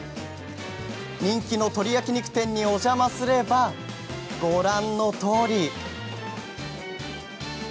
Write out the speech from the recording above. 人気の鶏焼き肉店にお邪魔すればご覧のとおり。